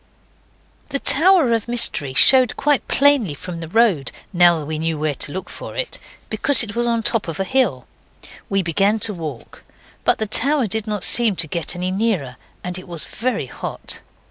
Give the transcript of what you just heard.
The Tower of Mystery showed quite plainly from the road, now that we knew where to look for it, because it was on the top of a hill. We began to walk. But the tower did not seem to get any nearer. And it was very hot.